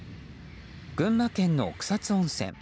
群馬県の草津温泉。